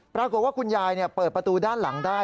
ปรากฏว่าคุณยายเปิดประตูด้านหลังได้